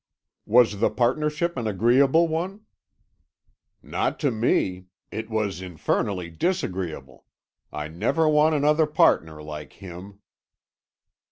"Was the partnership an agreeable one?" "Not to me; it was infernally disagreeable. I never want another partner like him."